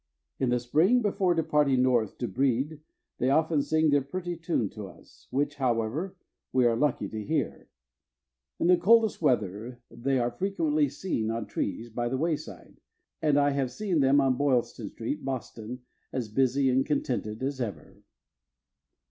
In the spring, before departing north to breed, they often sing their pretty tune to us, which, however, we are lucky to hear. In the coldest weather they are frequently seen on trees by the wayside, and I have seen them on Boylston street, Boston, as busy and contented as ever.